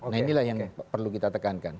nah inilah yang perlu kita tekankan